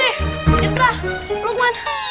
eh sabri irka lukman